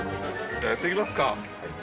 じゃあやってきますか。